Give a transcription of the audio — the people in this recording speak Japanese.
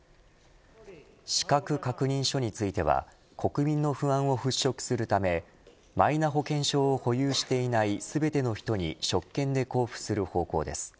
資格確認書については国民の不安を払拭するためマイナ保険証を保有していないすべての人に職権で交付する方向です。